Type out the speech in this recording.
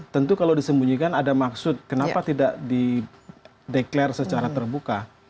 tentu kalau disembunyikan ada maksud kenapa tidak dideklarasi secara terbuka